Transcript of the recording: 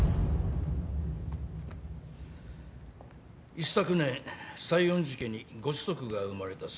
一昨年西園寺家にご子息が生まれたそうだ。